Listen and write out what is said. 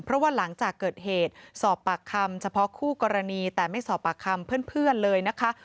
เพราะว่าหลังจากเกิดเหตุสอบปากคำเฉพาะคู่กรณีแต่ไม่สอบปากคำเพื่อนเลยนะคะ